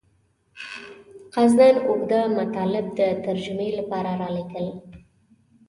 قصداً اوږده مطالب د ترجمې لپاره رالېږل.